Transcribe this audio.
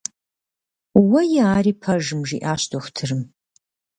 Уэи, ари пэжым, - жиӀащ дохутырым.